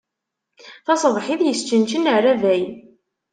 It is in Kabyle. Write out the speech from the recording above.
Taṣebḥit, isčenčen rrabay.